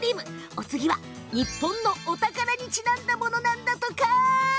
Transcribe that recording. お次は、日本のお宝にちなんだものなんだとか。